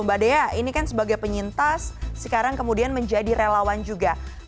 mbak dea ini kan sebagai penyintas sekarang kemudian menjadi relawan juga